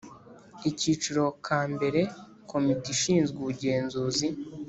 Akiciro ka mbere Komite ishinzwe ubugenzuzi